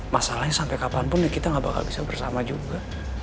masalahnya sampai kapanpun ya kita nggak bakal bisa bersama juga